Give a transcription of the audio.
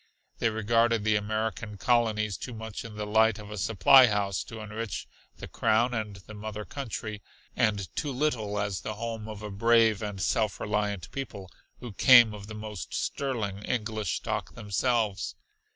They regarded the American Colonies too much in the light of a supply house to enrich the Crown and the Mother Country, and too little as the home of a brave and self reliant people who came of the most sterling English stock themselves.